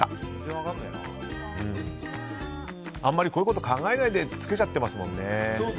あんまり考えないでつけちゃってますもんね。